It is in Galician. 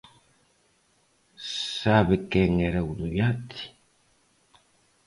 ¿Sabe quen era o do iate?